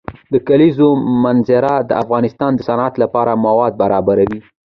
د کلیزو منظره د افغانستان د صنعت لپاره مواد برابروي.